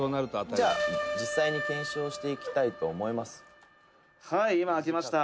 「じゃあ実際に検証していきたいと思います」